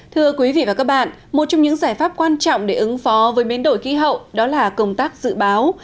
thưa quý vị và các bạn một trong những giải pháp quan trọng để ứng phó với biến đổi khí hậu đó là công tác dự báo